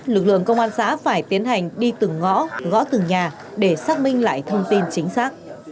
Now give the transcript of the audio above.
lực lượng công an xã phải tiến hành đi từng ngõ gõ từng nhà để xác minh lại thông tin chính xác